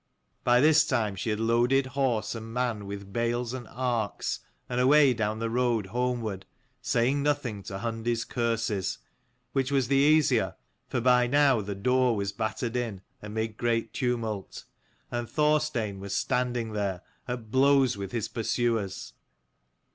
By this time she had loaded horse and man with bales and arks, and away down the road homeward, saying nothing to Hundi's curses ; which was the easier, for by now the door was battered in amid great tumult, and Thorstein was standing there, at blows with his pursuers.